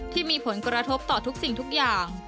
ที่มีผลกระทบต่อทุกสิ่งทุกอย่าง